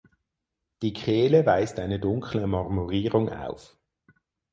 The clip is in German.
Die Kehle weist eine dunkle Marmorierung auf.